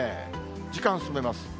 時間進めます。